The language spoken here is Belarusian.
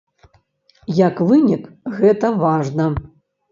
Як вынік гэта важна.